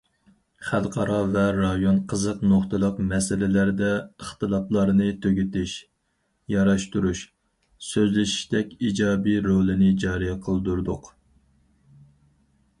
خەلقئارا ۋە رايون قىزىق نۇقتىلىق مەسىلىلىرىدە ئىختىلاپلارنى تۈگىتىش، ياراشتۇرۇش، سۆزلىشىشتەك ئىجابىي رولىنى جارى قىلدۇردۇق.